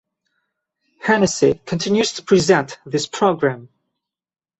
Hennessy continues to present this programme.